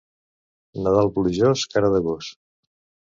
Nadal plujós, cara de gos.